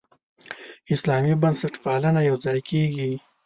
اسلامي بنسټپالنه یوځای کېږي.